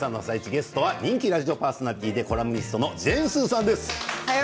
ゲストは人気ラジオパーソナリティーでコラムニストのジェーン・スーさんです。